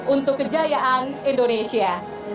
untuk kejayaan indonesia